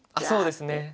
そうですね。